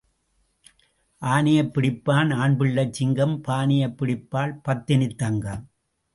ஆனையைப் பிடிப்பான் ஆண் பிள்ளைச் சிங்கம் பானையைப் பிடிப்பாள் பத்தினித் தங்கம்.